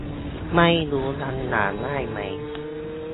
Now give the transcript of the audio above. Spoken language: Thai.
ไม่รู้ยังอ่านได้ไหม